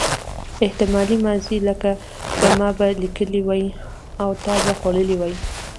احتمالي ماضي لکه ما به لیکلي وي او تا به خوړلي وي.